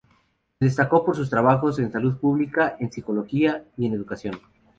Se destacó por sus trabajos en salud pública, en psicología y en educación.